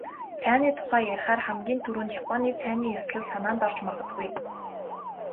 Цайны тухай ярихаар хамгийн түрүүнд "Японы цайны ёслол" санаанд орж магадгүй.